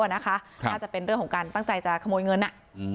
น่าจะเป็นเรื่องของการตั้งใจจะขโมยเงิน